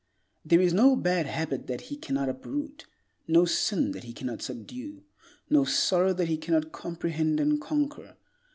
There is no bad habit that he cannot uproot, no sin that he cannot subdue, no sorrow that he cannot comprehend and conquer.